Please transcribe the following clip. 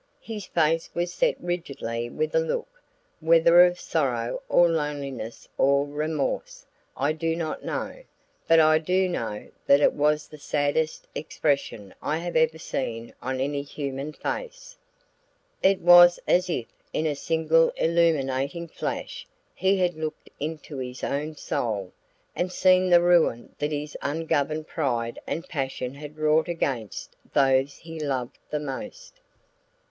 His face was set rigidly with a look whether of sorrow or loneliness or remorse, I do not know; but I do know that it was the saddest expression I have ever seen on any human face. It was as if, in a single illuminating flash, he had looked into his own soul, and seen the ruin that his ungoverned pride and passion had wrought against those he loved the most.